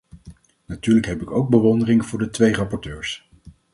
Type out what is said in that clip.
Natuurlijk heb ook ik bewondering voor de twee rapporteurs.